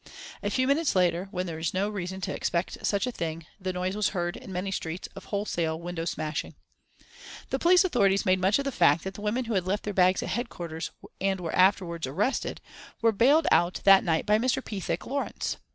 A few minutes later, when there was no reason to expect such a thing, the noise was heard, in many streets, of wholesale window smashing. The police authorities made much of the fact that the women who had left their bags at headquarters and were afterwards arrested, were bailed out that night by Mr. Pethick Lawrence.